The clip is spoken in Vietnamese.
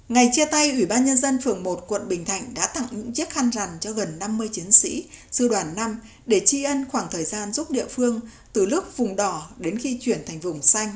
ngày chia tay ủy ban nhân dân phường một quận bình thạnh đã tặng những chiếc khăn rằn cho gần năm mươi chiến sĩ sư đoàn năm để tri ân khoảng thời gian giúp địa phương từ lớp vùng đỏ đến khi chuyển thành vùng xanh